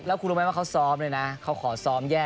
แล้วคุณรู้ไหมว่าเขาซ้อมเลยนะเขาขอซ้อมแย่